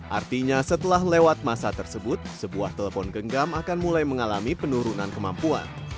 artinya setelah lewat masa tersebut sebuah telepon genggam akan mulai mengalami penurunan kemampuan